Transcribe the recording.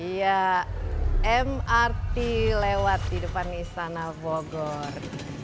ya mrt lewat di depan istana bogor